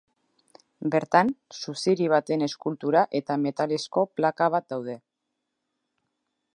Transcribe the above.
Bertan, suziri baten eskultura eta metalezko plaka bat daude.